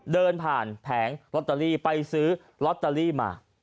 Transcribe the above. เดินผ่านแผงลอตเตอรี่ไปซื้อลอตเตอรี่มา